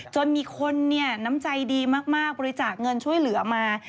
จนมีคนเนี่ยน้ำใจดีมากบริจาคเงินช่วยเหลือมา